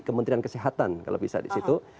kementerian kesehatan kalau bisa disitu